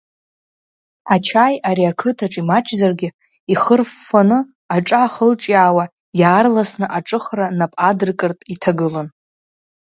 Ачаи, ари ақыҭаҿ имаҷзаргьы, ихырффаны, аҿа ахылҿиаауа, иаарласны аҿыхра нап адыркыртә иҭагылан.